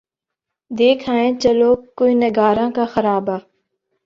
دیکھ آئیں چلو کوئے نگاراں کا خرابہ